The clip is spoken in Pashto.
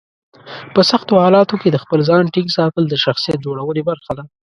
په سختو حالاتو کې د خپل ځان ټینګ ساتل د شخصیت جوړونې برخه ده.